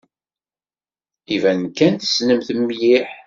Iban kan tessnem-t mliḥ.